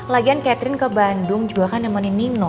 lagian catherine ke bandung juga kan nemenin nino